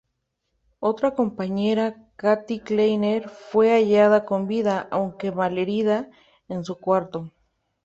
Otra compañera, Kathy Kleiner, fue hallada con vida, aunque malherida, en su cuarto.